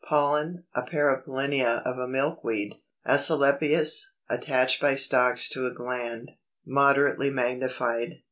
Pollen, a pair of pollinia of a Milkweed, Asclepias, attached by stalks to a gland; moderately magnified.